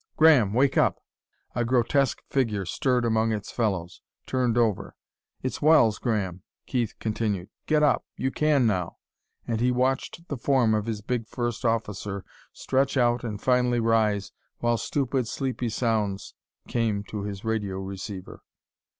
Graham, wake up!" A grotesque figure stirred among its fellows; turned over. "It's Wells, Graham," Keith continued. "Get up; you can, now!" And he watched the form of his big first officer stretch out and finally rise, while stupid, sleepy sounds came to his radio receiver.